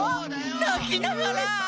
なきながら！